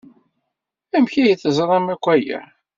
Amek ay teẓram akk aya?